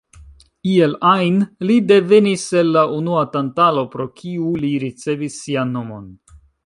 Iel ajn, li devenis el la unua Tantalo, pro kiu li ricevis sian nomon.